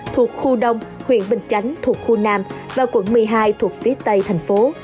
thuộc khu đông huyện bình chánh thuộc khu nam và quận một mươi hai thuộc phía tây tp